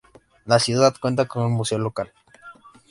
La ciudad cuenta con un museo local.